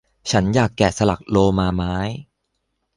ฉันอยากแกะสลักโลมาไม้